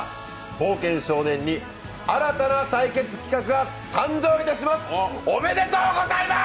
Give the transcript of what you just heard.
「冒険少年」に新たな対決企画が誕生いたします。